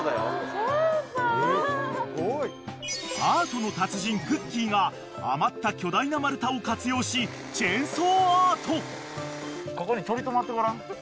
［アートの達人くっきー！が余った巨大な丸太を活用しチェンソーアート］